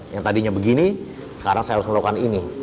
yang tadinya begini sekarang saya harus melakukan ini